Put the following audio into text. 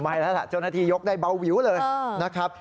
แล้วล่ะเจ้าหน้าที่ยกได้เบาวิวเลยนะครับ